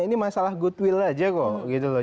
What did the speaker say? ini masalah goodwill aja kok gitu loh